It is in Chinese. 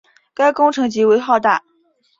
该工程极为浩大。